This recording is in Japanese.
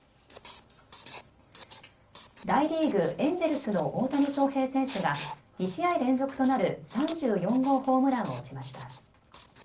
大リーグ、エンジェルスの大谷翔平選手が２試合連続となる３４号ホームランを打ちました。